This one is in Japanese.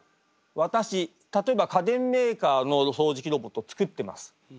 私例えば家電メーカーのそうじきロボット作ってます。